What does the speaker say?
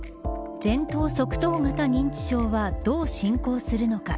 前頭側頭型認知症はどう進行するのか。